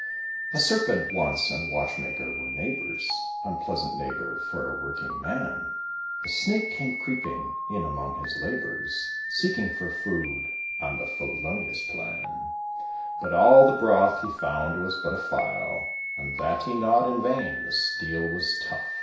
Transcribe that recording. A Serpent once and Watchmaker were neighbours (Unpleasant neighbour for a working man); The Snake came creeping in among his labours, Seeking for food on the felonious plan; But all the broth he found was but a File, And that he gnawed in vain the steel was tough.